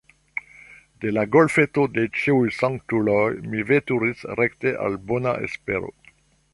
De la Golfeto de Ĉiuj Sanktuloj mi veturis rekte al Bona Espero.